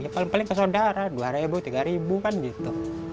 paling paling ke saudara dua ribu tiga ribu kan gitu